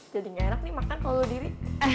jadi gak enak nih makan kalau lo diri